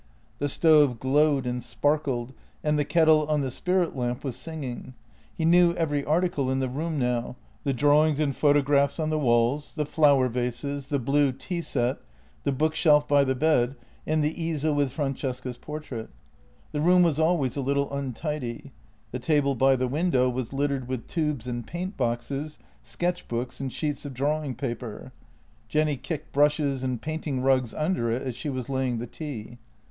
The stove glowed and sparkled, and the kettle on the spirit lamp was singing. He knew every article in the room now — the drawings and photographs on the walls, the flower vases, the blue tea set, the bookshelf by the bed, and the easel with Francesca's portrait. The room was always a little untidy; the table by the window was littered with tubes and paint boxes, sketch books and sheets of drawing paper; Jenny kicked brushes and painting rags under it as she was laying the tea.